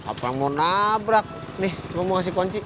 apa yang mau nabrak nih mau kasih kunci